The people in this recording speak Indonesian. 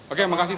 oke terima kasih